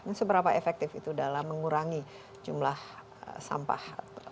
nah seberapa efektif itu dalam mengurangi jumlah sampah